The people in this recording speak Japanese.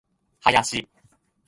林